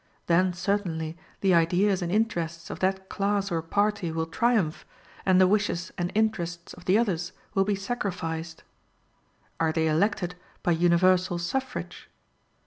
Then certainly the ideas and interests of that class or party will triumph, and the wishes and interests of the others will be sacrificed. Are they elected by universal suffrage?